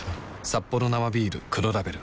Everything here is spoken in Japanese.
「サッポロ生ビール黒ラベル」